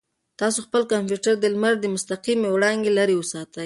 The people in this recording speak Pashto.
تاسو خپل کمپیوټر د لمر له مستقیمې وړانګې لرې وساتئ.